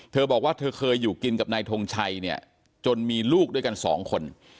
เธอบอกว่าเธอเคยอยู่กินกับนายทงชัยเนี่ยจนมีลูกด้วยกันสองคน